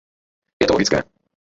Je to logické.